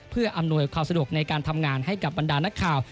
เพื่ออำนวยความสะดวกในการทำงานให้กับบรรดานักข่าว